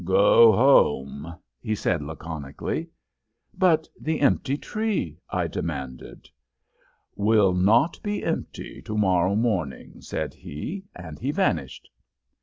"Go home," he said, laconically. "But the empty tree?" I demanded. "Will not be empty to morrow morning," said he, and he vanished.